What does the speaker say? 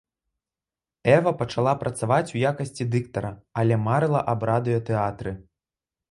Эва пачала працаваць у якасці дыктара, але марыла аб радыётэатры.